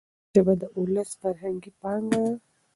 ژبه د ولس فرهنګي پانګه ده.